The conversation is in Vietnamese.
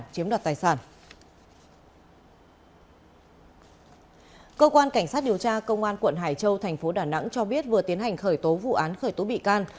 cơ quan cảnh sát điều tra công an quận hải châu thành phố đà nẵng cho biết vừa tiến hành khởi tố vụ án khởi tố bị can